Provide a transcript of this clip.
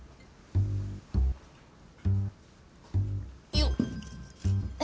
よっ。